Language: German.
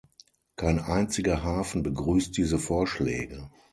Kein einziger Hafen begrüßt diese Vorschläge.